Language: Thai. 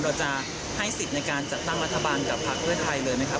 เราจะให้สิทธิ์ในการจัดตั้งรัฐบาลกับพักเพื่อไทยเลยไหมครับ